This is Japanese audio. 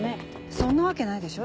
そんなわけないでしょ